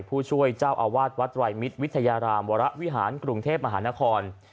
ผู้ช่วยเจ้าอาวาสวัดไตรมิตรวิทยารามวรวิหารกรุงเทพมหานคร